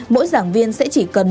mỗi giảng viên sẽ chỉ cần